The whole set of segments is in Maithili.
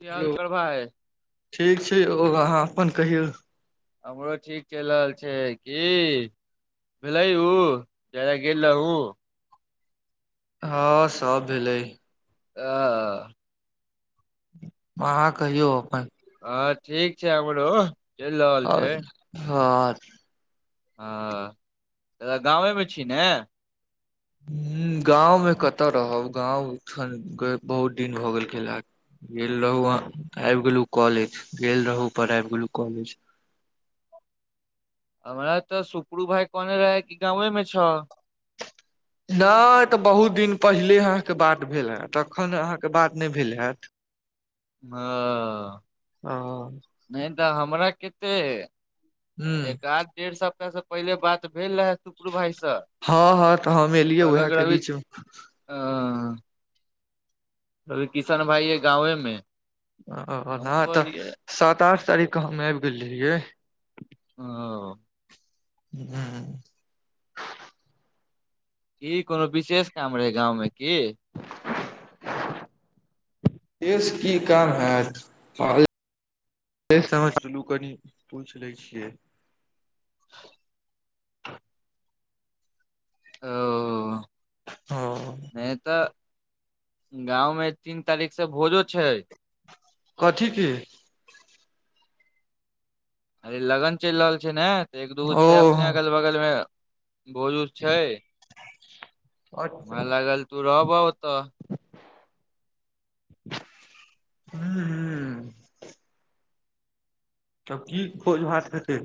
की हाल हेलो चाल भाइ? ठीक छै ओ अहाँ अपन कहियौ? हमरो ठीक चलि रहल छै की भेलै उ जैले गेल रहु? हँ सब भेलै। आ अहाँ कहियौ अपन हँ ठीक छै हमरो रहल आओर छै हँ हँ गाँवेमे छी ने हुँ गाँवमे कतऽ रहब गाँव एखन बहुत दिन भऽ गेल गेला गेल रहू अहाँ आबि गेलु कॉलेज गेल रहू पर आबि गेलु कॉलेज हमरा तऽ सुपरू भाय कहने रहै कि गावे मे छौ नय तऽ बहुत दिन पहिले अहाँके बात भेल हेैत तखन अहाँके बात नय भेल हैत हँ ह नय तऽ हमरा केते ह एकआध डेढ़ सप्ताह से पहिले बात भेल रहै सुपरू भाइ सँ हँ हँ तऽ हम एलियै उहे के बीचमे ओ कहलकै किशन भाई अय गाँंवे मे। हम ह तऽ कहलियै सात आठ ठीके तारीख के हम आइब गेल रहियै ह हँ ई कोनो विशेष काम रहे गाँंवमे की [unintelligible] केस की काम हे फ चलू कनि पूइछ लै छियै ह [unintelligible] ओ हँ नै तऽ गाँवमे तीन तारीख से भोजो छै कथी के अभी लगन चैल रहल छै ने तऽ एक दूगो ओ छै अपने अगल बगल में भोज उज छै हमरा लागल तू रहब ओतऽ हुॅं हँ तब की खोज भात हेतै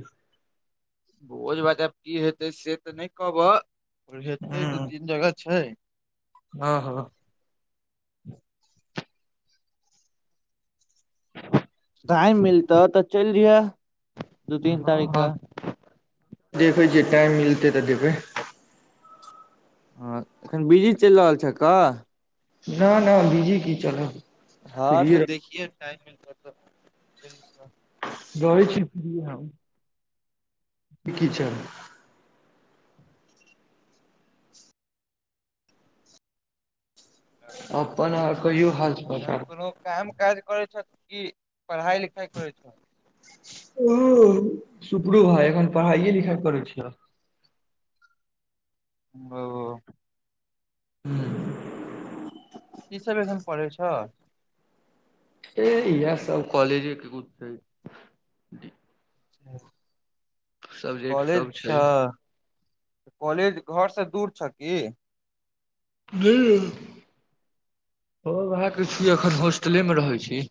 भोज भात आब की हेतै से तऽ नझ कहबह हेतै दू तीन जगह छै हँ हँ टाइम मिलत तऽ चैल जैह हँ देखै छीयै टाइम मिलतै तऽ देखबै हँ एखन बिजी चैलल रहल छ क न न बीजी की चलब हँ स फ्रीये रहै देखिए टाइम म रहै छी [unintelligible] हम कि छै अपन आओर कहियौ हाल तहन समाचार कोनो काम काज करे छ तु कि पढ़ाई लिखाई करै छ ओ सुपरु भाय एखन पढ़ाइए लिखाइए करै छिय ओ हुॅं की सब एखन पडहै छ इहे सब कॉलेजो [unintelligible] अ [inaudible] सब्जेक्ट कॉलेज सब छ छै कॉलेज घरसँ दूर छ की [unintelligible] ओहे छी अखन होस्टले मे रहै छी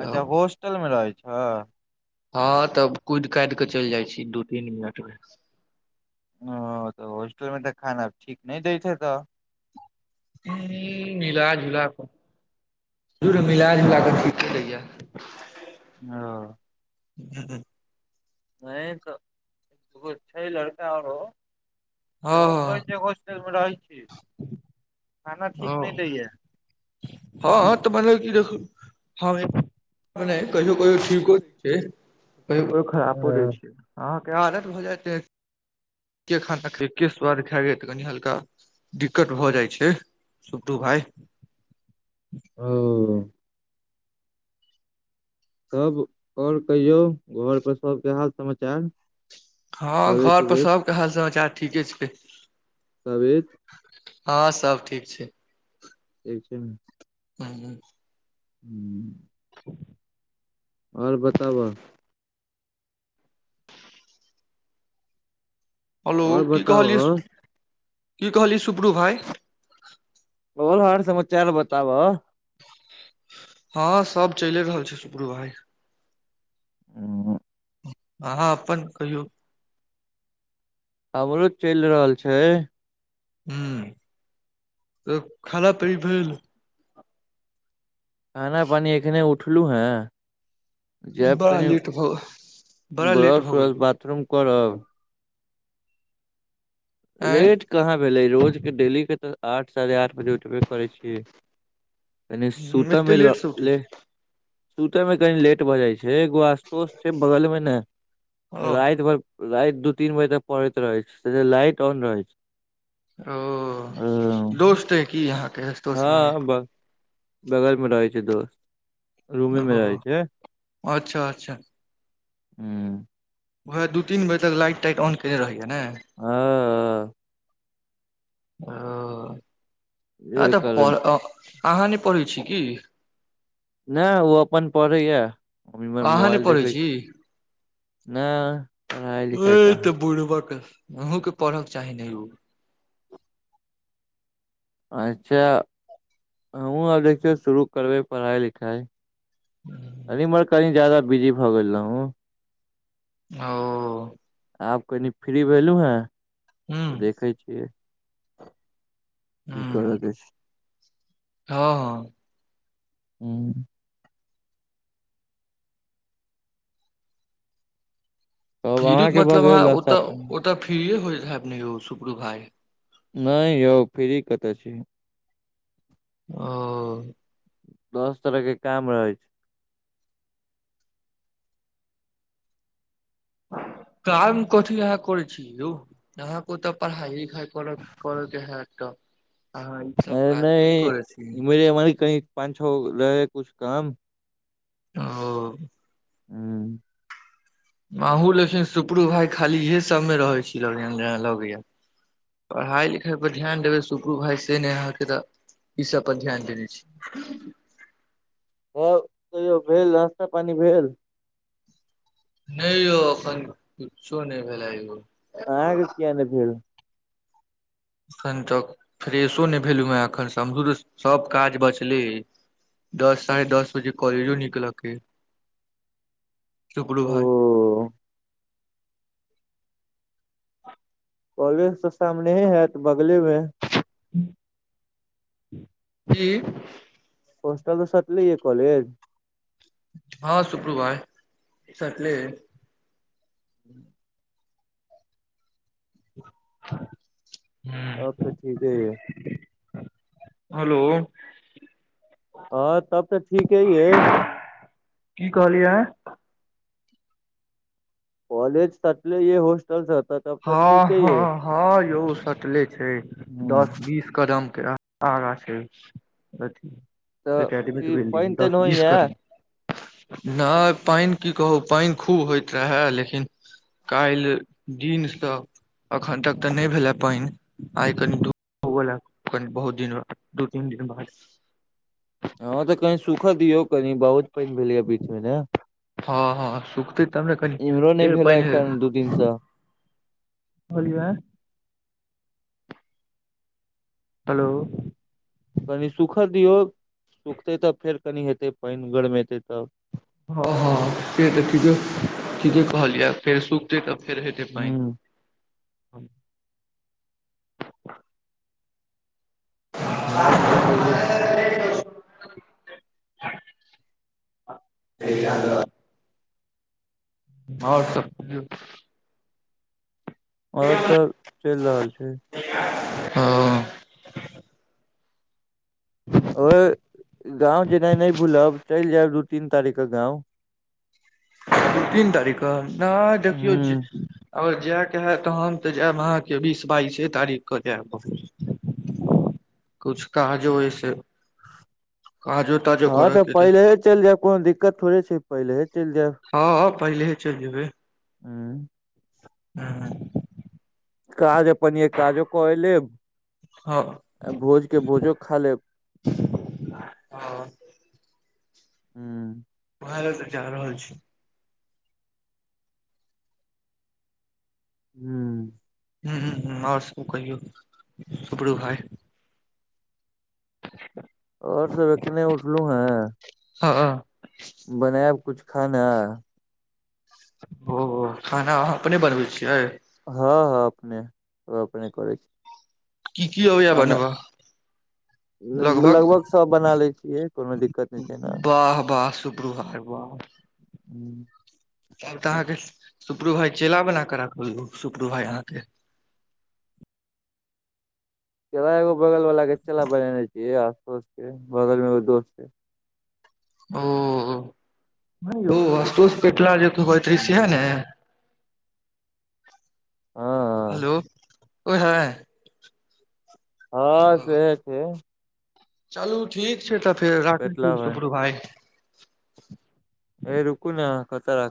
तऽ अच्छा होस्टल मे रहै छ हँ तब कुइद कैद कऽ चैल जाइ छी दू तीन मिनट मे ओ तऽ होॉस्टल मे तऽ खाना ठीक नै दैत हे तऽ [unintelligible] मिला जूला क धूर मिलाजुला क ठीके दैय ह ह [inaudible] नै तऽ एगो छै लड़का आरो सेहो कहे हँ छै हॉस्टल मे हम रहै छी खाना ठीक हँ नै दैय हँ तऽ भने की देखू हँ मने कहियो कहियो ठीको होय छै कहियो कहियो खरापो रहै छै अहाँके आदत भऽ जायत एक्के खाना खा एक्के स्वाद खा गेल तऽ कनि हल्का दिक्कत भऽ जाइ छै सुुतु भाई ओ तब आओर कहीयौ घर पर सबके हाल समाचार हँ तबियत घर पर उबियत सबके हाल समाचार ठीके छै नवीन हँ सब ठीक छै ठीक छै ने ह ह हू [inaudible] आओर बताबऽ हेलो और की कहलियै बताबऽ की कहलियै सुप्रु भाई आओर हाल समाचार बताबऽ हँ सब चैले रहल छै सुपरु भाई आंहा अप्पन कहियौ हमरो चलि रहल छै हूं त खरा पीना भेल खाना पानि एखने उठलौं हेँ जेऽब बड़ा कनि लेट भ बड़ा लेट ब्रश भऽ व्रश गेल बाथरूम करब आँय लेट कहाँ भेलै रोजके डेली के तऽ आठ साढ़े आठ बजे उठबे करै छियै कनी सूतऽ एते मे ल लेट से उठै ले छी सुतय मे कनि लेट भऽ जाइ छै एगो आस्तोस छै बगल मे ने ओ राति भरि राइत दू तीन बजे तक पड़ति रहै छै से लाइट ऑन रहै छै ओ दोस्त अय की आंहा के हँ ब बगल मे रहै छै दोस्त रूमे मे ओ रहै छै अच्छा अच्छा हूं उएह दू तीन बजे तक लाइट ताइट ऑन केने रहैया नय अ ओ हँ कारण तऽ अहाँ नय पढ़ै छी की नय ओ अपन पढ़ैया हम इमहर अहाँ नहि मोबाइल पढ़ै देखै छी नय पढ़ाइ लिखाइ कहाँ अहुँके पढ़क चाही न यौ अच्छा हमहूँ आब देखियौ शुरू करबै पढ़ाई लिखाई कनि ईमहर कनि जादा बिजी भऽ गेल रहौं ओ आब कनि फ्री भेलूं हेँ तऽ हूँ देखै छियै कि करै हँ के छै हँ हं उं तब फिरु अहाँके भऽ मतलब गेल अहाँ नाश्ता ओतऽ पानी ओतऽ फिरिये होइत हेऽबन यौ शुक्रु भाय नय यौ फ्री कतऽ छी ओ दस तरहके काम रहै छै काम कथी अहाँ करै छी यौ अहाँके ओतऽ पढ़ाइये लिखाइ कर के कर के हे ट अरे नय मर एम्हर कनी पाँच छओ गो रहै हय कुछ काम ओ हुँ अहूँ लेकिन सुपरू भाय खाली इहे सभमे रहै छी लगैये पढ़ाइ लिखाइ पर ध्यान देबै सुपरू भाय से नय अहाँके तऽ ई सब पर ध्यान देने छी आओर कहियौ भेल नास्ता पानी भेल नय यौ एखन किच्छो नय भेलै यौ अहाँ के किये नय भेल एखन तक फ्रेशो नय भेलु हेँ एखन समझू जे सभ काज बचले अछि। दस साढ़े दस बजे कॉलेजो निकलके अय सुपरू भाइ ओ कॉलेज तऽ सामनेहे हैत बगले मे की होस्टल से सटले ये कॉलेज हँ सुप्रू भाइ सटले अछि हूँ तब तऽ ठीके अय हेलो हँ तब तऽ ठीके यइ की कहलियै अहाँ कॉलेज सटले ये होस्ट चल जा तऽ तब तऽ हँ ठीके हँ ये हँ यौ सटले छै हूं दस बीस कदम के आगा छै अथी तऽ एकेडमिक की बिल्डिंग पानि तानि दस बीस होइया कदम नय पानि की कहू पानि खूब होइत रहै लेकिन काल्हि दिनसँ एखन तक तऽ नय भेलए पानि आइ कनी धु उ बला कनी बहुत दिन बाद दू तीन दिन बाद हँ तऽ कनी सुखऽ दियौ कनी बहुत पानी भेलैये बीच मे ने हँ हँ सुखतै तबने कनी इम्हरो नहि फेर भेले पानि एखन दू दिन से कहलिये हेलो कनी सुखऽ दियौ सुखतै तऽ फेर कनि हेतै पानि गरमेतै तब हँ हँ से तऽ ठीके ठीके कहलियै फेर सुखतै तऽ फेर हेतै पानि ह [inaudible] [inaudible] आओर सब कहियौ आओर सब चलि रहल छै हँ [inaudible] ओ गाँंव जेनाइ नय भूलब चलि जायब दू तीन तारीकके गाँंव दू तीन तारीख कऽ नय देखियौ जे हूँ आओर जायके हे तऽ हम तऽ जायब अहाँके बीस बाइसे तारीख के जायब कुछ काजो अय से काजो ताजो हँ करऽ तऽ के पहिलेहे चलि जायब कोनो दिक्कत थोड़े छै पहिलेहे चलि जायब हँ पहिलेहे चलि जेबै हूं हूं काज अपन यै काजो कये लेब हँ भोज के भोजो खाऽ लेब हूं ओहे ले त जा रहल छी हू हूं हूं हूं आओर सब कहियौ सुपरू भाय ह आओर सब एखने उठलू हें ह बनेअब कुछ खाना ओ खाना अहाँ अपने बनबै छियै हँ हँ अपने अपने करै छी की की अबैया खाना बनबऽ लगभग सब बना लै छियै कोनो दिक्कत नय छै न हू वाह वाह सुपरू भाय वाह तब तऽ अहाँके सुपुरू भाइ चेला बना कऽ राख सुपुरू भाय अहाँके त ओहे एगो बगल वाला के चेला बनेने छियै आसतोस के बगल मे दोस के ओ असुतोष पेटला जे हो्र से हे हूँ ने हँ हेलो कोई है हँ सेहे छै तऽ चलू ठीक छै तऽ फेर राखै छी पेटला भाय सुपरू भाइ ए रुकू ने कतऽ रा